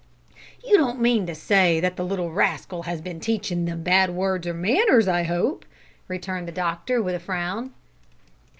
"You don't mean to say that the little rascal has been teaching them bad words or manners, I hope?" returned the doctor, with a frown.